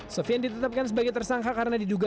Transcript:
sofian ditetapkan sebagai tersangka karena diduga